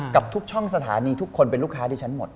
กับทุกช่องสถานีทุกคนเป็นลูกค้าที่ฉันหมด